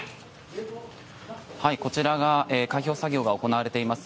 こちらが開票作業が行われています